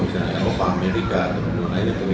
misalnya eropa amerika atau di mana mana lain